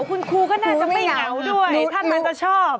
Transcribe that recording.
คุณครูก็น่าจะไม่เหงาด้วยท่านอาจจะชอบ